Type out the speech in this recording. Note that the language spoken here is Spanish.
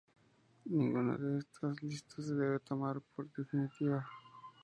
Ninguna de estas listas se debe tomar por definitiva.